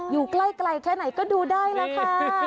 อยู่ใกล้แค่ไหนก็ดูได้แล้วค่ะ